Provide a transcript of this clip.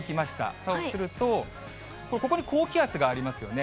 そうすると、ここに高気圧がありますよね。